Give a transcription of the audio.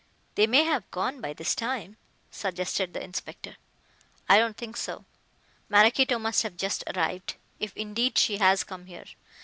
"They may have gone by this time," suggested the inspector. "I don't think so. Maraquito must have just arrived, if indeed she has come here.